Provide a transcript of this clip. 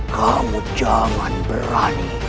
kamu jangan berani